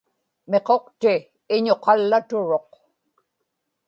miquqti iñuqallaturuq